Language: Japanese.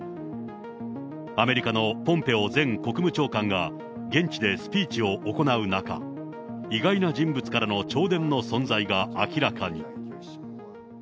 アメリカのポンペオ前国務長官が現地でスピーチを行う中、意外な人物からの弔電の存在が明らかに。